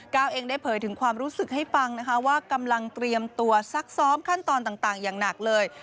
ก้าวเองได้เผยถึงความรู้สึกให้ฟังนะคะว่ากำลังเตรียมตัวซักซ้อมขั้นตอนต่างอย่างหนักเลย